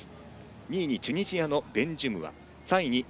２位にチュニジアのベンジュムア。